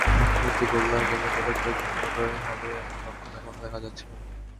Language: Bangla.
অর্থনীতি গোল্লায় গেলেও তাদের চৈতন্যোদয় হবে, এমন লক্ষণ এখনো দেখা যাচ্ছে না।